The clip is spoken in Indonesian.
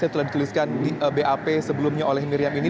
yang telah dituliskan di bap sebelumnya oleh miriam ini